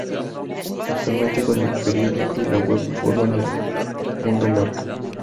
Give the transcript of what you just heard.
Actualmente con el periódico y la web, forman el "Mundo Marca".